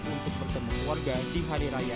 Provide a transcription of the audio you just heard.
untuk bertemu warga di hari raya